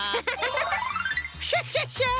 クシャシャシャ！